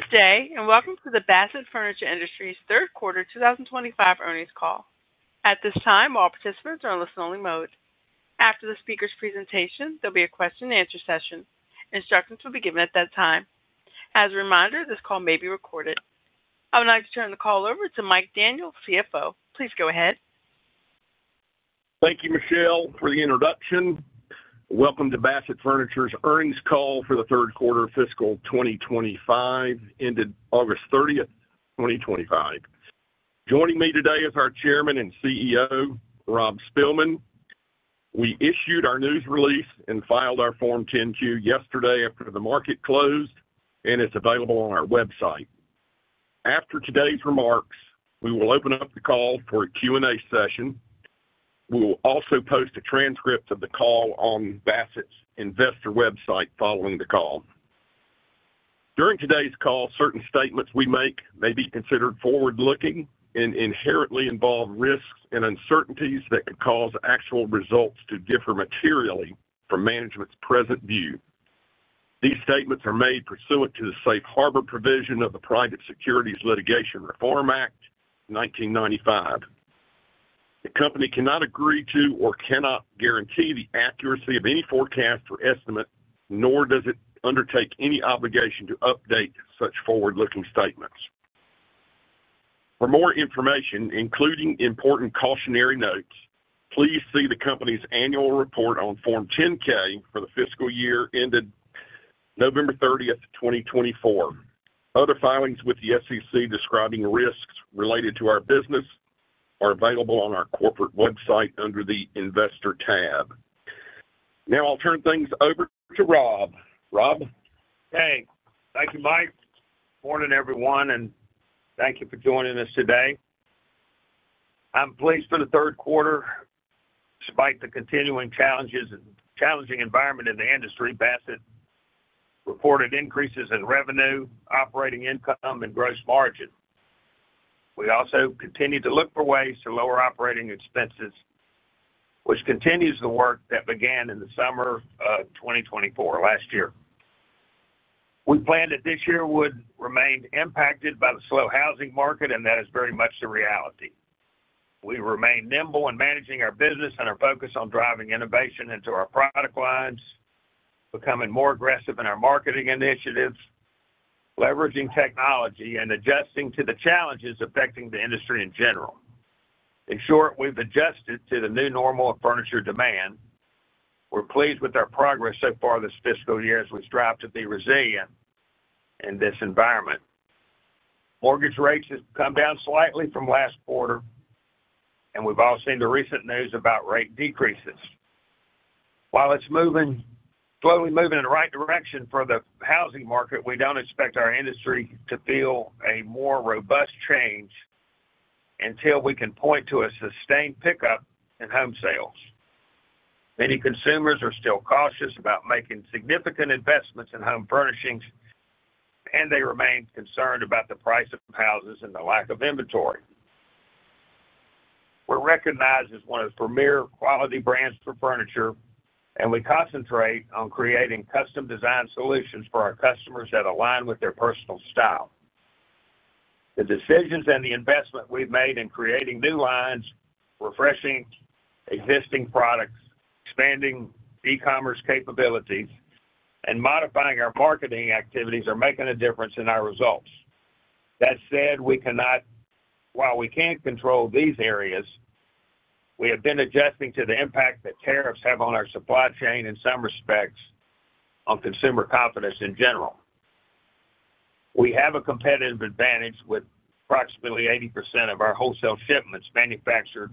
Good day and welcome to the Bassett Furniture Industries' third quarter 2025 earnings call. At this time, all participants are in a listen-only mode. After the speaker's presentation, there will be a question-and-answer session. Instructions will be given at that time. As a reminder, this call may be recorded. I would like to turn the call over to Mike Daniel, CFO. Please go ahead. Thank you, Michelle, for the introduction. Welcome to Bassett Furniture's earnings call for the third quarter of fiscal 2025, ended August 30th, 2025. Joining me today is our Chairman and CEO, Rob Spilman. We issued our news release and filed our Form 10-Q yesterday after the market closed, and it's available on our website. After today's remarks, we will open up the call for a Q&A session. We will also post a transcript of the call on Bassett's investor website following the call. During today's call, certain statements we make may be considered forward-looking and inherently involve risks and uncertainties that could cause actual results to differ materially from management's present view. These statements are made pursuant to the Safe Harbor provision of the Private Securities Litigation Reform Act, 1995. The company cannot guarantee the accuracy of any forecast or estimate, nor does it undertake any obligation to update such forward-looking statements. For more information, including important cautionary notes, please see the company's annual report on Form 10-K for the fiscal year ended November 30th, 2024. Other filings with the SEC describing risks related to our business are available on our corporate website under the Investor tab. Now I'll turn things over to Rob. Rob? Okay. Thank you, Mike. Morning everyone, and thank you for joining us today. I'm pleased for the third quarter. Despite the continuing challenges and challenging environment in the industry, Bassett reported increases in revenue, operating income, and gross margin. We also continue to look for ways to lower operating expenses, which continues the work that began in the summer of 2024, last year. We planned that this year would remain impacted by the slow housing market, and that is very much the reality. We remain nimble in managing our business and our focus on driving innovation into our product lines, becoming more aggressive in our marketing initiatives, leveraging technology, and adjusting to the challenges affecting the industry in general. In short, we've adjusted to the new normal of furniture demand. We're pleased with our progress so far this fiscal year as we strive to be resilient in this environment. Mortgage rates have come down slightly from last quarter, and we've all seen the recent news about rate decreases. While it's slowly moving in the right direction for the housing market, we don't expect our industry to feel a more robust change until we can point to a sustained pickup in home sales. Many consumers are still cautious about making significant investments in home furnishings, and they remain concerned about the price of houses and the lack of inventory. We're recognized as one of the premier quality brands for furniture, and we concentrate on creating custom design solutions for our customers that align with their personal style. The decisions and the investment we've made in creating new lines, refreshing existing products, expanding e-commerce capabilities, and modifying our marketing activities are making a difference in our results. That said, while we can't control these areas, we have been adjusting to the impact that tariffs have on our supply chain in some respects on consumer confidence in general. We have a competitive advantage with approximately 80% of our wholesale shipments manufactured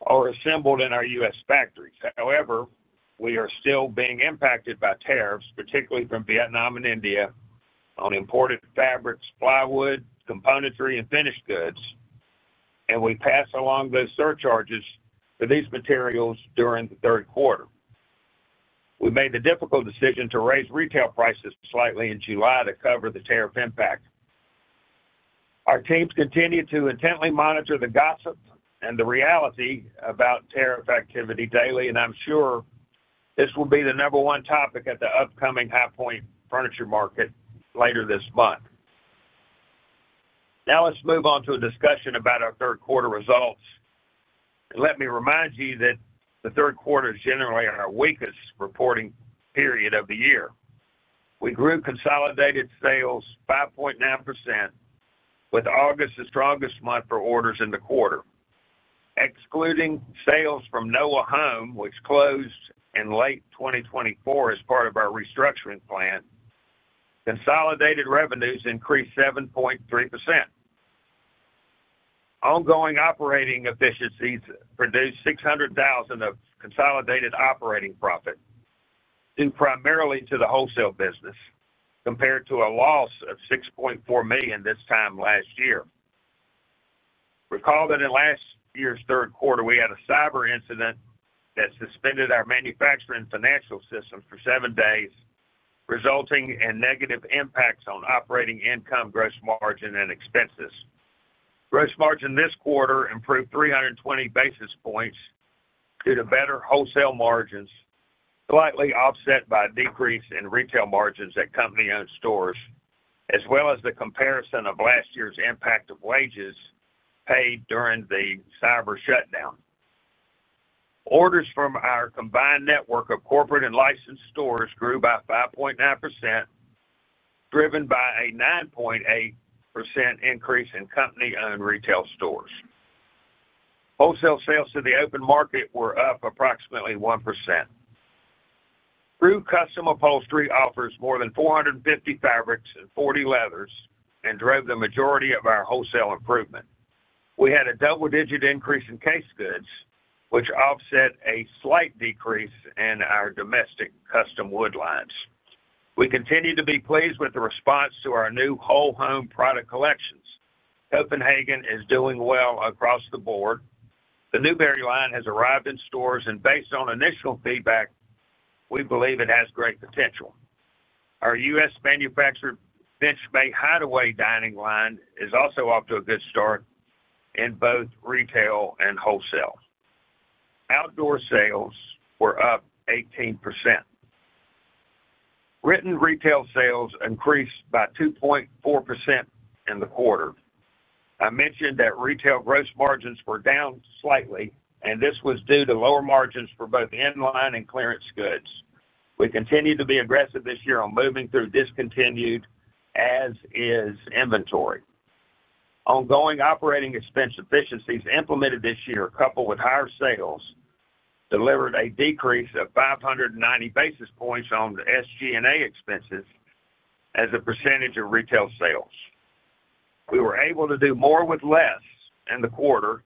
or assembled in our U.S. factories. However, we are still being impacted by tariffs, particularly from Vietnam and India, on imported fabrics, plywood, componentry, and finished goods, and we passed along those surcharges for these materials during the third quarter. We made the difficult decision to raise retail prices slightly in July to cover the tariff impact. Our teams continue to intently monitor the gossip and the reality about tariff activity daily, and I'm sure this will be the number one topic at the upcoming High Point Furniture Market later this month. Now let's move on to a discussion about our third quarter results. Let me remind you that the third quarter is generally our weakest reporting period of the year. We grew consolidated sales 5.9%, with August the strongest month for orders in the quarter. Excluding sales from Noa Home, which closed in late 2024 as part of our restructuring plan, consolidated revenues increased 7.3%. Ongoing operating efficiencies produced $600,000 of consolidated operating profit, due primarily to the wholesale business, compared to a loss of $6.4 million this time last year. Recall that in last year's third quarter, we had a cyber incident that suspended our manufacturing financial systems for seven days, resulting in negative impacts on operating income, gross margin, and expenses. Gross margin this quarter improved 320 basis points due to better wholesale margins, slightly offset by a decrease in retail margins at company-owned stores, as well as the comparison of last year's impact of wages paid during the cyber shutdown. Orders from our combined network of corporate and licensed stores grew by 5.9%, driven by a 9.8% increase in company-owned retail stores. Wholesale sales to the open market were up approximately 1%. True Custom Upholstery offers more than 450 fabrics and 40 leathers and drove the majority of our wholesale improvement. We had a double-digit increase in case goods, which offset a slight decrease in our domestic custom wood lines. We continue to be pleased with the response to our new whole-home product collections. Copenhagen is doing well across the board. The Newberry line has arrived in stores, and based on initial feedback, we believe it has great potential. Our U.S. manufactured BenchMade HideAway dining line is also off to a good start in both retail and wholesale. Outdoor sales were up 18%. Written retail sales increased by 2.4% in the quarter. I mentioned that retail gross margins were down slightly, and this was due to lower margins for both in-line and clearance goods. We continue to be aggressive this year on moving through discontinued, as-is inventory. Ongoing operating expense efficiencies implemented this year, coupled with higher sales, delivered a decrease of 590 basis points on the SG&A expenses as a percentage of retail sales. We were able to do more with less in the quarter,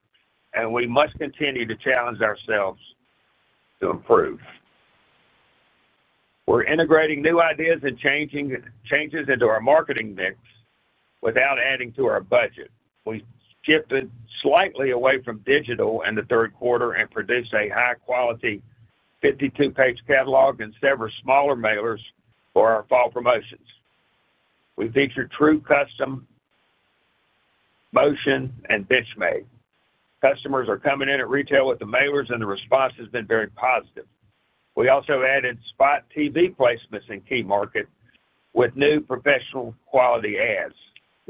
and we must continue to challenge ourselves to improve. We're integrating new ideas and changes into our marketing mix without adding to our budget. We shifted slightly away from digital in the third quarter and produced a high-quality 52-page catalog and several smaller mailers for our fall promotions. We feature True Custom, Motion, and BenchMade. Customers are coming in at retail with the mailers, and the response has been very positive. We also added spot TV placements in key markets with new professional quality ads.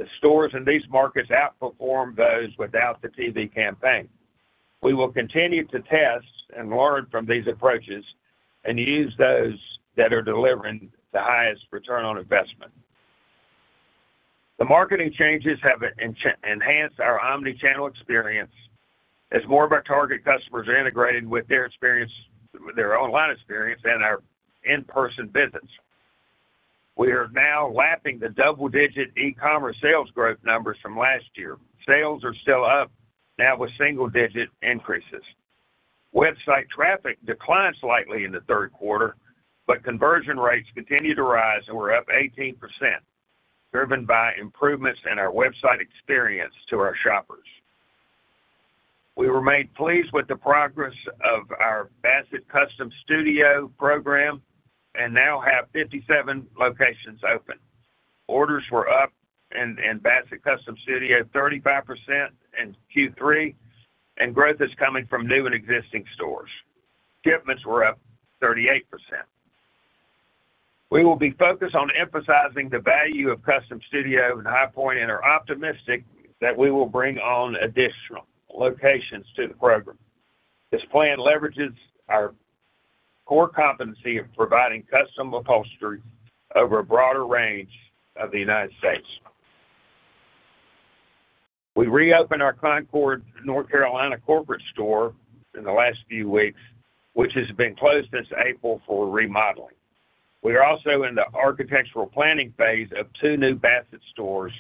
The stores in these markets outperform those without the TV campaign. We will continue to test and learn from these approaches and use those that are delivering the highest return on investment. The marketing changes have enhanced our omnichannel experience, as more of our target customers are integrating with their experience, their online experience, and our in-person business. We are now lapping the double-digit e-commerce sales growth numbers from last year. Sales are still up, now with single-digit increases. Website traffic declined slightly in the third quarter, but conversion rates continue to rise, and we're up 18%, driven by improvements in our website experience to our shoppers. We remain pleased with the progress of our Bassett Custom Studio program and now have 57 locations open. Orders were up in Bassett Custom Studio 35% in Q3, and growth is coming from new and existing stores. Shipments were up 38%. We will be focused on emphasizing the value of Custom Studio and High Point and are optimistic that we will bring on additional locations to the program. This plan leverages our core competency of providing custom upholstery over a broader range of the United States. We reopened our Concord, North Carolina, corporate store in the last few weeks, which has been closed since April for remodeling. We are also in the architectural planning phase of two new Bassett stores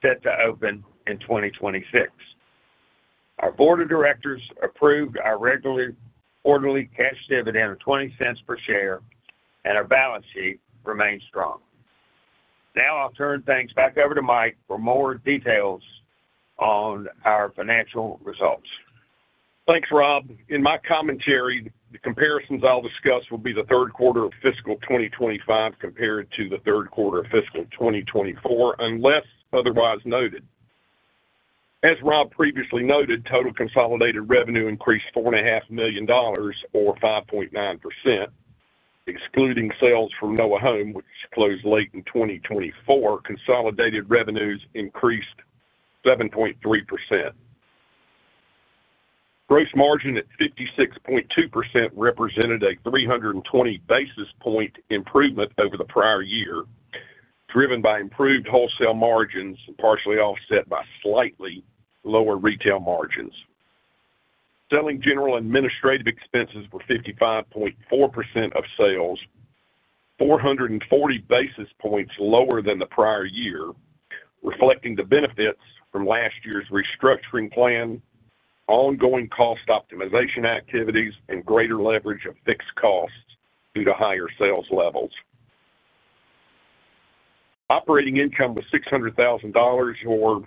set to open in 2026. Our board of directors approved our regular quarterly cash dividend of $0.20 per share, and our balance sheet remains strong. Now I'll turn things back over to Mike for more details on our financial results. Thanks, Rob. In my commentary, the comparisons I'll discuss will be the third quarter of fiscal 2025 compared to the third quarter of fiscal 2024, unless otherwise noted. As Rob previously noted, total consolidated revenue increased $4.5 million or 5.9%. Excluding sales from Noa Home, which closed late in 2024, consolidated revenues increased 7.3%. Gross margin at 56.2% represented a 320 basis point improvement over the prior year, driven by improved wholesale margins partially offset by slightly lower retail margins. Selling, general and administrative expenses were 55.4% of sales, 440 basis points lower than the prior year, reflecting the benefits from last year's restructuring plan, ongoing cost optimization activities, and greater leverage of fixed costs due to higher sales levels. Operating income was $600,000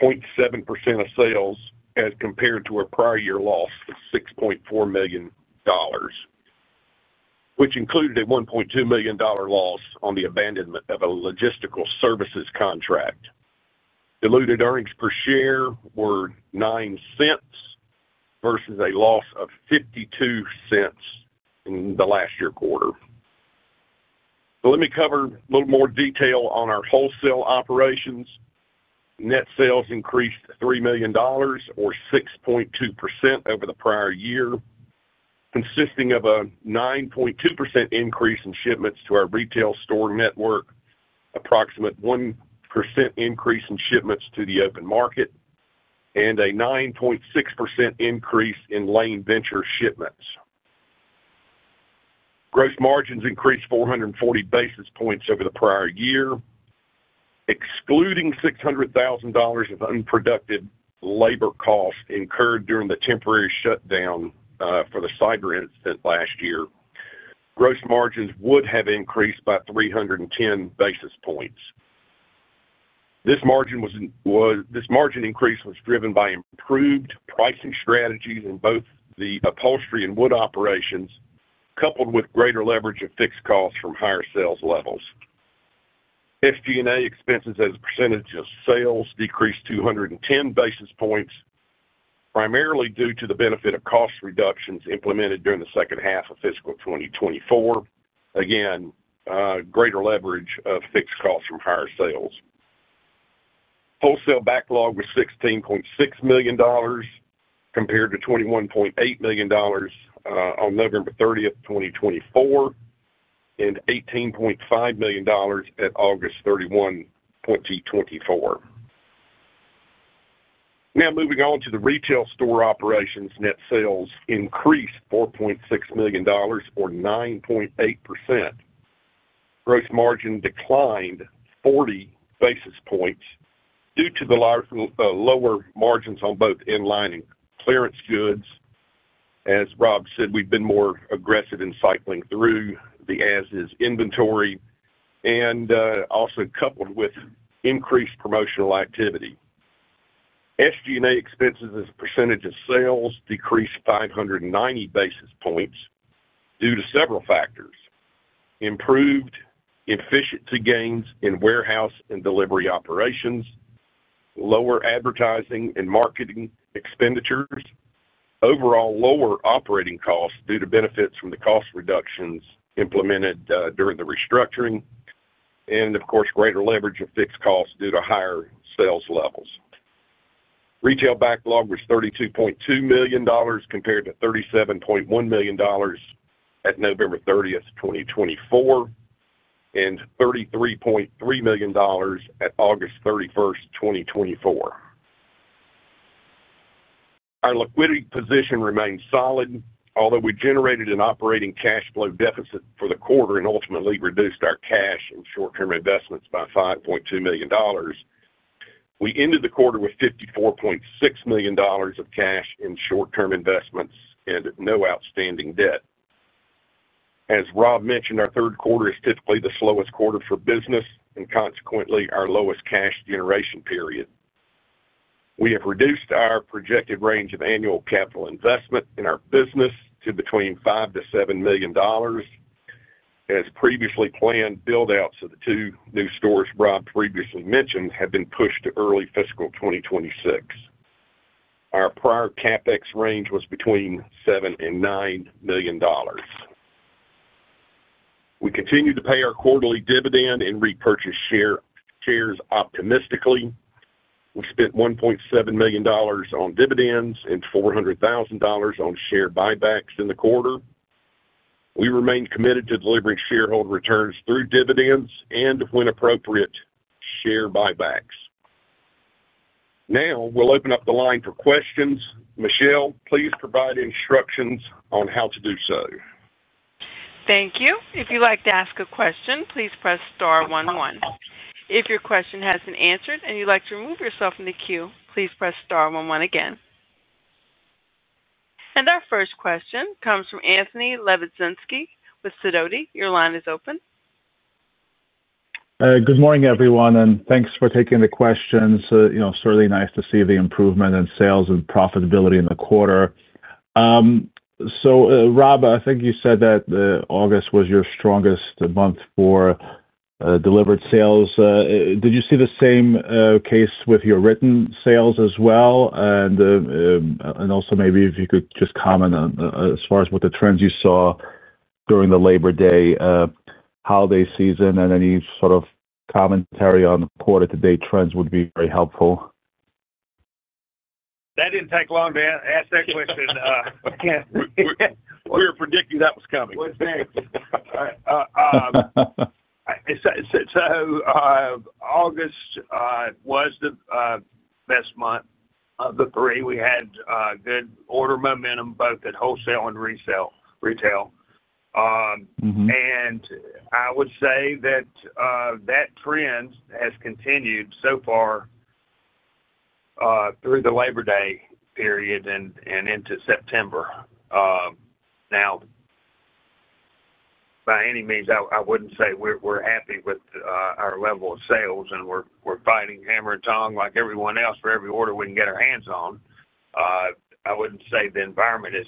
or 0.7% of sales as compared to a prior year loss of $6.4 million, which included a $1.2 million loss on the abandonment of a logistical services contract. Diluted earnings per share were $0.09 versus a loss of $0.52 in the last year quarter. Let me cover a little more detail on our wholesale operations. Net sales increased $3 million or 6.2% over the prior year, consisting of a 9.2% increase in shipments to our retail store network, approximately 1% increase in shipments to the open market, and a 9.6% increase in Lane Venture shipments. Gross margins increased 440 basis points over the prior year. Excluding $600,000 of unproductive labor costs incurred during the temporary shutdown for the cyber incident last year, gross margins would have increased by 310 basis points. This margin increase was driven by improved pricing strategies in both the upholstery and wood operations, coupled with greater leverage of fixed costs from higher sales levels. SG&A expenses as a percentage of sales decreased 210 basis points, primarily due to the benefit of cost reductions implemented during the second half of fiscal 2024. Again, greater leverage of fixed costs from higher sales. Wholesale backlog was $16.6 million compared to $21.8 million on November 30th, 2024, and $18.5 million at August 31, 2024. Now moving on to the retail store operations, net sales increased $4.6 million or 9.8%. Gross margin declined 40 basis points due to the lower margins on both in-line and clearance goods. As Rob said, we've been more aggressive in cycling through the as-is inventory and also coupled with increased promotional activity. SG&A expenses as a percentage of sales decreased 590 basis points due to several factors: improved efficiency gains in warehouse and delivery operations, lower advertising and marketing expenditures, overall lower operating costs due to benefits from the cost reductions implemented during the restructuring, and of course, greater leverage of fixed costs due to higher sales levels. Retail backlog was $32.2 million compared to $37.1 million at November 30th, 2024, and $33.3 million at August 31st, 2024. Our liquidity position remains solid, although we generated an operating cash flow deficit for the quarter and ultimately reduced our cash and short-term investments by $5.2 million. We ended the quarter with $54.6 million of cash and short-term investments and no outstanding debt. As Rob mentioned, our third quarter is typically the slowest quarter for business and consequently our lowest cash generation period. We have reduced our projected range of annual capital investment in our business to between $5 million-$7 million. As previously planned, build-outs of the two new stores Rob previously mentioned have been pushed to early fiscal 2026. Our prior CapEx range was between $7 million and $9 million. We continue to pay our quarterly dividend and repurchase shares optimistically. We spent $1.7 million on dividends and $400,000 on share buybacks in the quarter. We remain committed to delivering shareholder returns through dividends and, when appropriate, share buybacks. Now we'll open up the line for questions. Michelle, please provide instructions on how to do so. Thank you. If you'd like to ask a question, please press star one one. If your question has been answered and you'd like to remove yourself from the queue, please press star one one again. Our first question comes from Anthony Lebiedzinski with Sidoti. Your line is open. Good morning, everyone, and thanks for taking the questions. It's really nice to see the improvement in sales and profitability in the quarter. Rob, I think you said that August was your strongest month for delivered sales. Did you see the same case with your written sales as well? Also, maybe if you could just comment on what trends you saw during the Labor Day holiday season and any sort of commentary on quarter-to-date trends would be very helpful. That didn't take long to ask that question. We were predicting that was coming. All right. August was the best month of the three. We had good order momentum both at wholesale and retail. I would say that trend has continued so far through the Labor Day period and into September. By any means, I wouldn't say we're happy with our level of sales and we're fighting hammer and tong like everyone else for every order we can get our hands on. I wouldn't say the environment is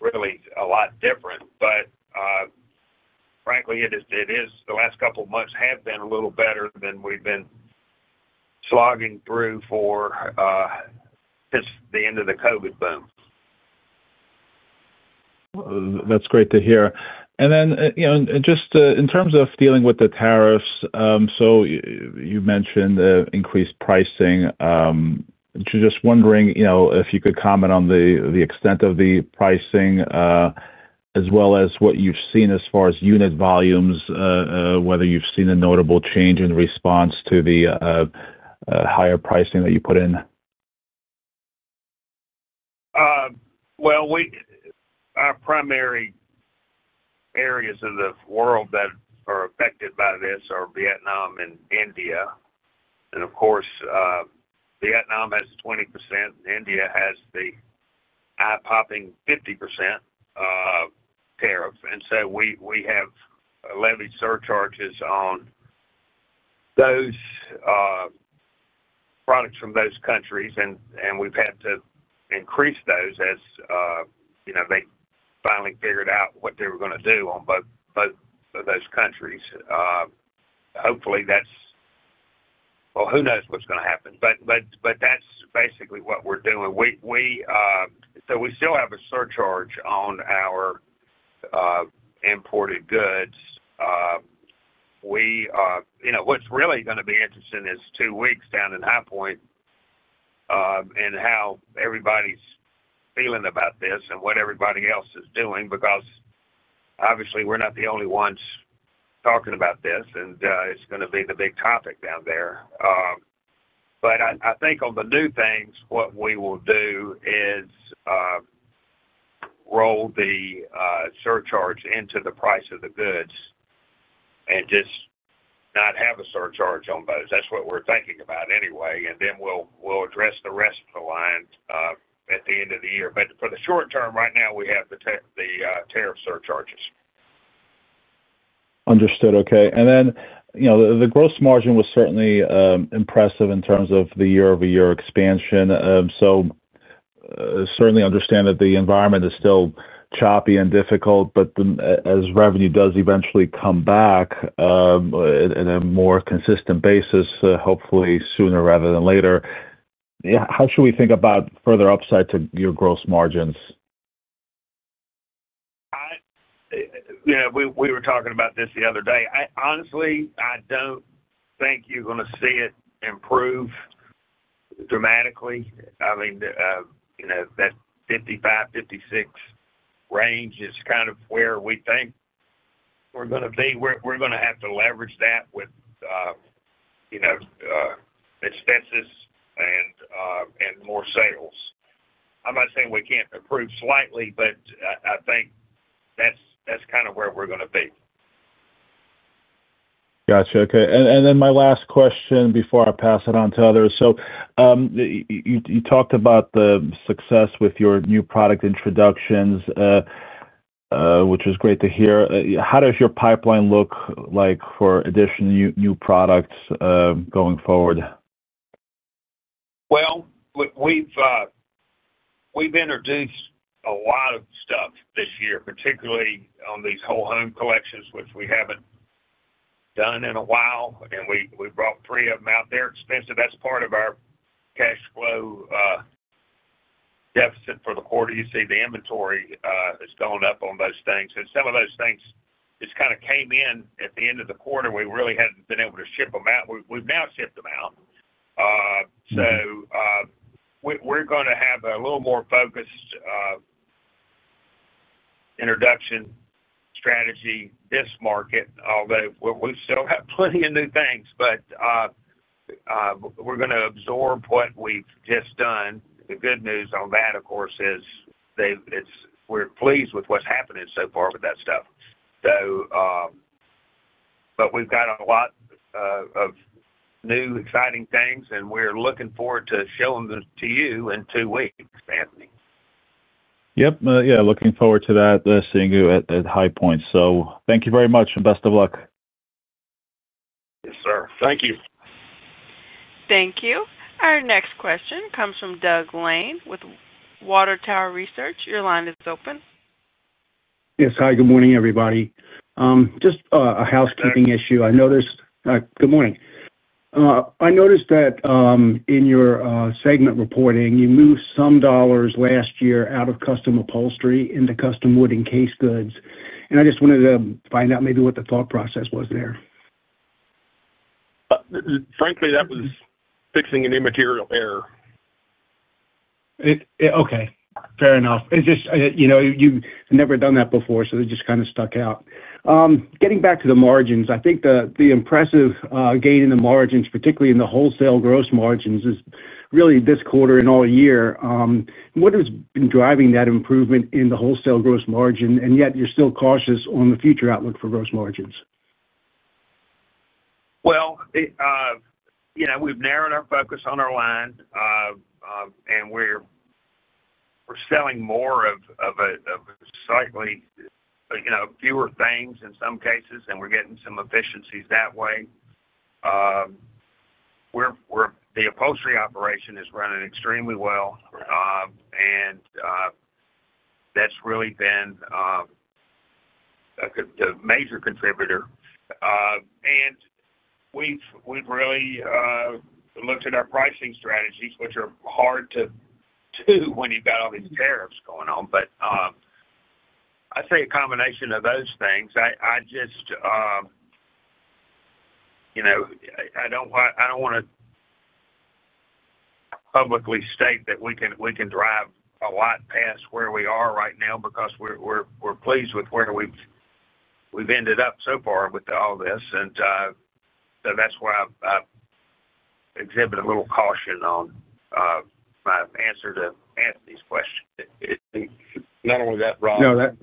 really a lot different, but frankly, the last couple of months have been a little better than we've been slogging through since the end of the COVID boom. That's great to hear. In terms of dealing with the tariffs, you mentioned the increased pricing. I'm just wondering if you could comment on the extent of the pricing as well as what you've seen as far as unit volumes, whether you've seen a notable change in response to the higher pricing that you put in. Our primary areas in the world that are affected by this are Vietnam and India. Of course, Vietnam has 20%. India has the eye-popping 50% tariff. We have levied surcharges on those products from those countries, and we've had to increase those as, you know, they finally figured out what they were going to do on both of those countries. Hopefully, that's, well, who knows what's going to happen? That's basically what we're doing. We still have a surcharge on our imported goods. You know, what's really going to be interesting is two weeks down in High Point and how everybody's feeling about this and what everybody else is doing because obviously, we're not the only ones talking about this, and it's going to be the big topic down there. I think on the new things, what we will do is roll the surcharge into the price of the goods and just not have a surcharge on those. That's what we're thinking about anyway. We will address the rest of the line at the end of the year. For the short term right now, we have the tariff surcharges. Understood. Okay. The gross margin was certainly impressive in terms of the year-over-year expansion. I certainly understand that the environment is still choppy and difficult, but as revenue does eventually come back on a more consistent basis, hopefully sooner rather than later, how should we think about further upside to your gross margins? Yeah, we were talking about this the other day. Honestly, I don't think you're going to see it improve dramatically. I mean, you know, that 55, 56 range is kind of where we think we're going to be. We're going to have to leverage that with expenses and more sales. I'm not saying we can't improve slightly, but I think that's kind of where we're going to be. Gotcha. Okay. My last question before I pass it on to others. You talked about the success with your new product introductions, which was great to hear. How does your pipeline look for additional new products going forward? We have introduced a lot of stuff this year, particularly on these whole-home collections, which we haven't done in a while. We brought three of them out there. Expensive, that's part of our cash flow deficit for the quarter. You see the inventory has gone up on those things. Some of those things just kind of came in at the end of the quarter. We really hadn't been able to ship them out. We have now shipped them out. We are going to have a little more focused introduction strategy this market, although we still have plenty of new things. We are going to absorb what we've just done. The good news on that, of course, is we're pleased with what's happening so far with that stuff. We have got a lot of new, exciting things, and we're looking forward to showing them to you in two weeks, Anthony. Yeah, looking forward to that, seeing you at High Point. Thank you very much and best of luck. Yes, sir. Thank you. Thank you. Our next question comes from Doug Lane with Water Tower Research. Your line is open. Yes. Hi. Good morning, everybody. Just a housekeeping issue. Good morning. I noticed that in your segment reporting, you moved some dollars last year out of custom upholstery into custom wood and case goods. I just wanted to find out maybe what the thought process was there. Frankly, that was fixing an immaterial error. Okay. Fair enough. It's just, you know, you've never done that before, so it just kind of stuck out. Getting back to the margins, I think the impressive gain in the margins, particularly in the wholesale gross margins, is really this quarter and all year. What has been driving that improvement in the wholesale gross margin, and yet you're still cautious on the future outlook for gross margins? We have narrowed our focus on our line, and we are selling more of slightly fewer things in some cases, and we are getting some efficiencies that way. The upholstery operation is running extremely well, and that has really been a major contributor. We have really looked at our pricing strategies, which are hard to do when you have all these tariffs going on. I would say a combination of those things. I do not want to publicly state that we can drive a lot past where we are right now because we are pleased with where we have ended up so far with all this. That is why I exhibit a little caution on my answer to Anthony's question. Not only that, Rob,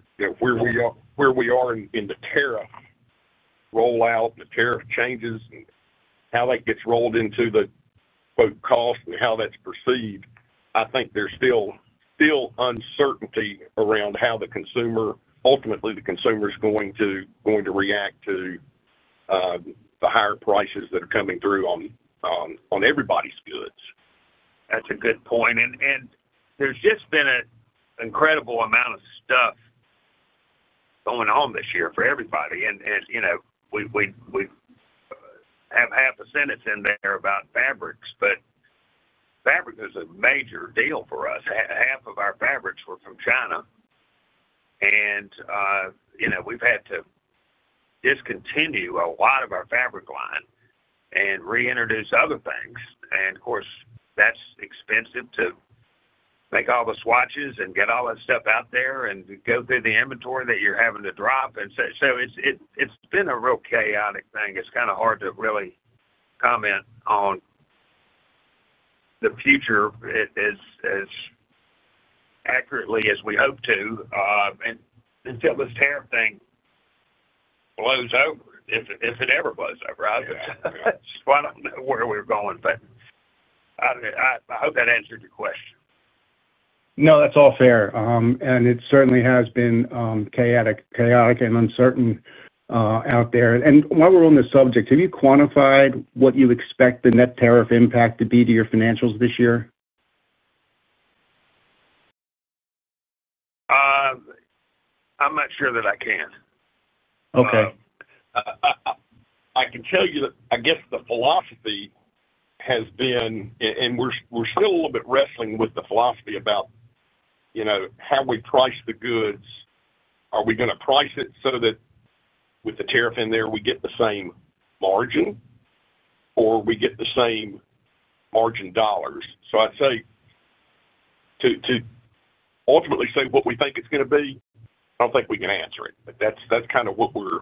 where we are in the tariff rollout, the tariff changes, and how that gets rolled into the cost and how that's perceived, I think there's still uncertainty around how the consumer, ultimately, the consumer is going to react to the higher prices that are coming through on everybody's goods. That's a good point. There has just been an incredible amount of stuff going on this year for everybody. We have half a sentence in there about fabrics, but fabric is a major deal for us. Half of our fabrics were from China. We have had to discontinue a lot of our fabric line and reintroduce other things. Of course, that's expensive to make all the swatches and get all that stuff out there and go through the inventory that you're having to drop. It has been a real chaotic thing. It's kind of hard to really comment on the future as accurately as we hope to, until this tariff thing blows over, if it ever blows over. I just want to know where we're going fast. I hope that answered your question. No, that's all fair. It certainly has been chaotic and uncertain out there. While we're on the subject, have you quantified what you expect the net tariff impact to be to your financials this year? I'm not sure that I can. Okay. I can tell you that I guess the philosophy has been, and we're still a little bit wrestling with the philosophy about, you know, how we price the goods. Are we going to price it so that with the tariff in there, we get the same margin or we get the same margin dollars? I'd say to ultimately say what we think it's going to be, I don't think we can answer it. That's kind of what we're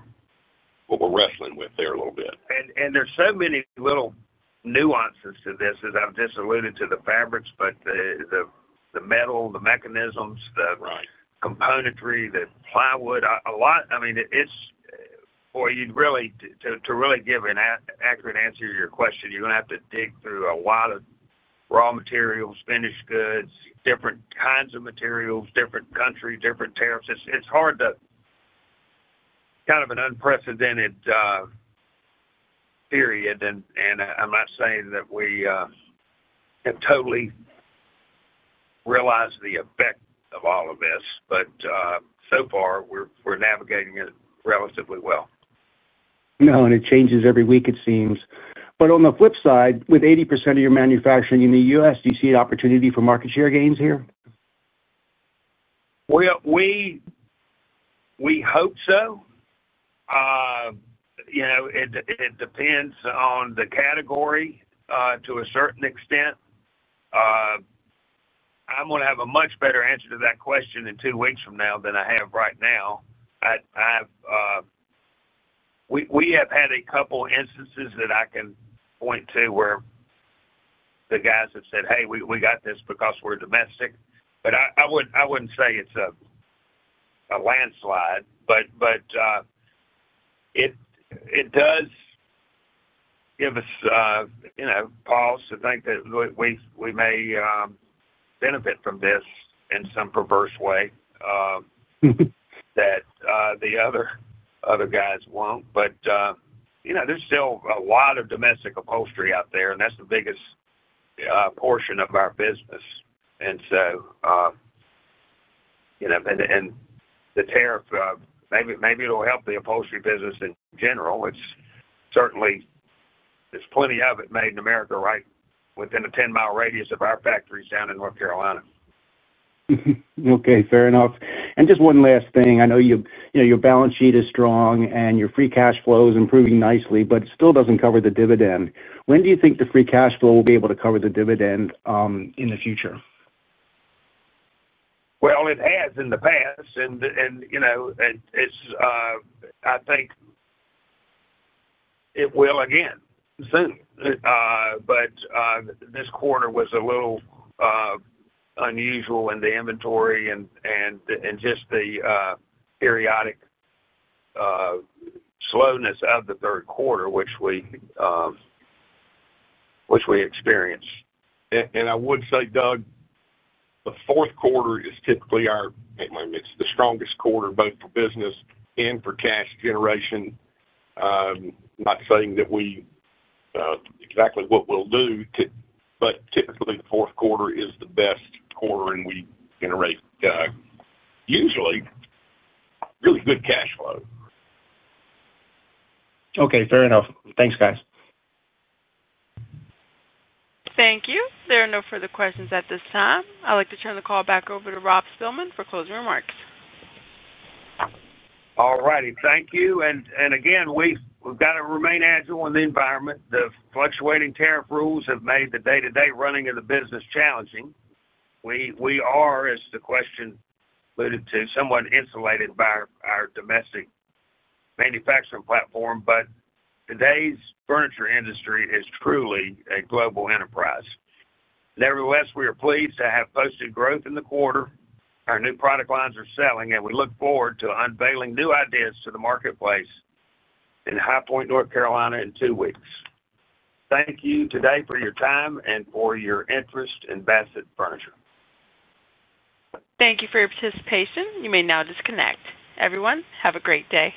wrestling with there a little bit. There are so many little nuances to this, as I've just alluded to the fabrics, but the metal, the mechanisms, the componentry, the plywood, a lot. I mean, for you to really give an accurate answer to your question, you're going to have to dig through a lot of raw materials, finished goods, different kinds of materials, different countries, different tariffs. It's hard, kind of an unprecedented period. I'm not saying that we have totally realized the effect of all of this, but so far, we're navigating it relatively well. No, it changes every week, it seems. On the flip side, with 80% of your manufacturing in the U.S., do you see an opportunity for market share gains here? You know, it depends on the category to a certain extent. I'm going to have a much better answer to that question in two weeks from now than I have right now. We have had a couple of instances that I can point to where the guys have said, "Hey, we got this because we're domestic." I wouldn't say it's a landslide. It does give us pause to think that we may benefit from this in some perverse way that the other guys won't. You know, there's still a lot of domestic upholstery out there, and that's the biggest portion of our business. The tariff, maybe it'll help the upholstery business in general. There's plenty of it made in America right within a 10 mi radius of our factories down in North Carolina. Okay. Fair enough. Just one last thing. I know your balance sheet is strong and your free cash flow is improving nicely, but it still doesn't cover the dividend. When do you think the free cash flow will be able to cover the dividend in the future? It has in the past. I think it will again soon. This quarter was a little unusual in the inventory and just the periodic slowness of the third quarter, which we experienced. Doug, the fourth quarter is typically our, it might be the strongest quarter both for business and for cash generation. I'm not saying that we know exactly what we'll do, but typically, the fourth quarter is the best quarter, and we generate usually really good cash flow. Okay. Fair enough. Thanks, guys. Thank you. There are no further questions at this time. I'd like to turn the call back over to Rob Spilman for closing remarks. All righty. Thank you. We've got to remain agile in the environment. The fluctuating tariff rules have made the day-to-day running of the business challenging. We are, as the question alluded to, somewhat insulated by our domestic manufacturing platform. Today's furniture industry is truly a global enterprise. Nevertheless, we are pleased to have posted growth in the quarter. Our new product lines are selling, and we look forward to unveiling new ideas to the marketplace in High Point, North Carolina, in two weeks. Thank you today for your time and for your interest in Bassett Furniture. Thank you for your participation. You may now disconnect. Everyone, have a great day.